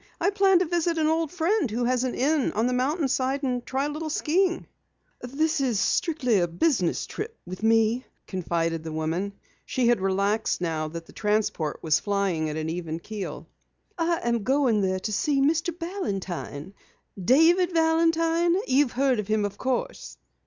"I plan to visit an old friend who has an Inn on the mountain side, and try a little skiing." "This is strictly a business trip with me," confided the woman. She had relaxed now that the transport was flying at an even keel. "I am going there to see Mr. Balantine David Balantine. You've heard of him, of course."